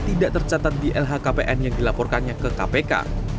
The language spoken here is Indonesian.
tidak tercatat di lhkpn yang dilaporkannya ke kpk